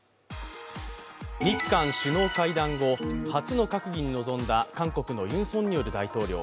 日韓首脳会談後、初の閣議に臨んだ韓国のユン・ソンニョル大統領。